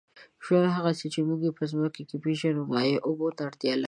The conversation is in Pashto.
ژوند، هغسې چې موږ یې په مځکه کې پېژنو، مایع اوبو ته اړتیا لري.